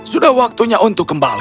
sudah waktunya untuk kembali